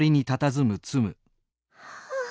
はあ。